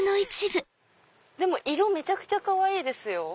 色めちゃくちゃかわいいですよ。